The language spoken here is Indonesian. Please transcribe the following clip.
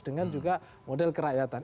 dengan juga model kerakyatan